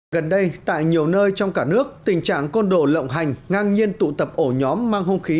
gần đây tại nhiều nơi trong cả nước tình trạng côn đồ lộng hành ngang nhiên tụ tập ổ nhóm mang hung khí